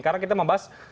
karena kita membahas